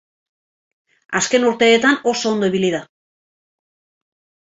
Azken urteetan oso ondo ibili da.